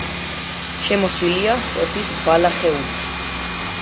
შემოსილია სტეპის ბალახეულით.